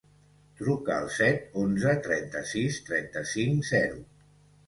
Truca al set, onze, trenta-sis, trenta-cinc, zero.